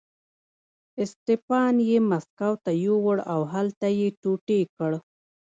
اسټپان یې مسکو ته یووړ او هلته یې ټوټې کړ.